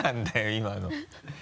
今の。